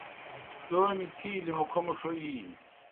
تومیْ تِھیلیْ مُکھہ مُڇھو اِینیْ